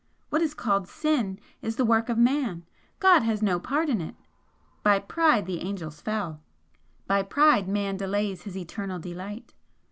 What is called 'sin' is the work of Man God has no part in it. 'By pride the angels fell.' By pride Man delays his eternal delight.